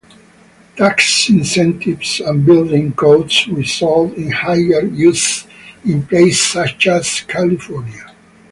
Tax incentives and building codes result in higher use in places such as California.